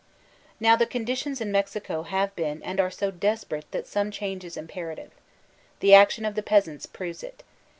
Now the conditions in Mexico have been and are so desperate that some change is imperative. The action of the peasants proves it.